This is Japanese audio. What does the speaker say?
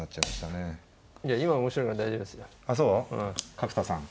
角田さん。